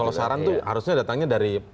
kalau saran itu harusnya datangnya dari